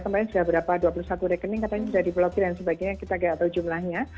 kemarin sudah berapa dua puluh satu rekening katanya sudah di blokir dan sebagainya kita tidak tahu jumlahnya